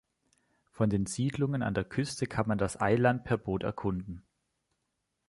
Von den Siedlungen an der Küste kann man das Eiland per Boot erkunden.